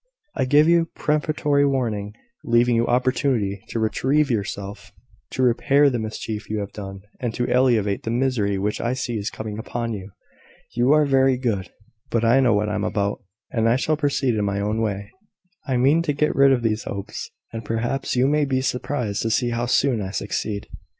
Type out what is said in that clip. I give you peremptory warning, leaving you opportunity to retrieve yourself, to repair the mischief you have done, and to alleviate the misery which I see is coming upon you." "You are very good: but I know what I am about, and I shall proceed in my own way. I mean to get rid of these Hopes; and, perhaps, you may be surprised to see how soon I succeed."